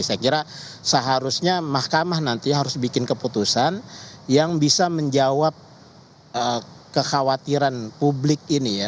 saya kira seharusnya mahkamah nanti harus bikin keputusan yang bisa menjawab kekhawatiran publik ini ya